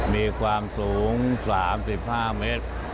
มีความสูง๓๕เมตร